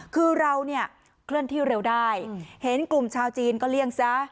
คือเราเนี่ยเคลื่อนที่เร็วได้เห็นกลุ่มชาวจีนก็เลี่ยงซะ